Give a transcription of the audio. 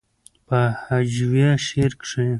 پۀ هجويه شعر کښې